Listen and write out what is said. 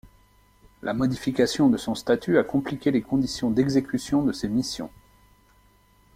La modification de son statut a compliqué les conditions d'exécution de ses missions.